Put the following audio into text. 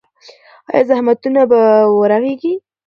ایا زخمونه به ورغېږي؟